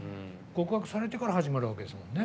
告白されてから始まるわけですもんね。